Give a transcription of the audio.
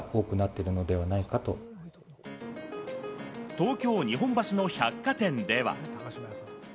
東京・日本橋の百貨店では。